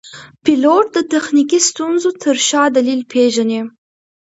پیلوټ د تخنیکي ستونزو تر شا دلیل پېژني.